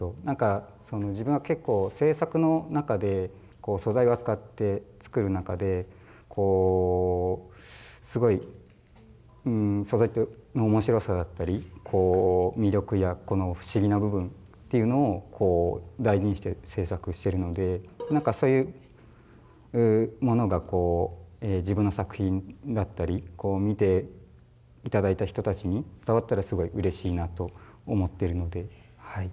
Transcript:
自分は結構制作の中で素材を扱って作る中ですごいうん素材って面白さだったり魅力やこの不思議な部分っていうのを大事にして制作してるのでそういうものが自分の作品だったり見て頂いた人たちに伝わったらすごいうれしいなと思ってるのではい。